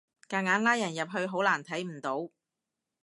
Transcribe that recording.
夾硬拉人入去好難睇唔到